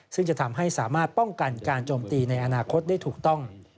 ซึ่งจะทำให้สามารถป้องกันการโจมตีในอนาคตได้ถูกต้อง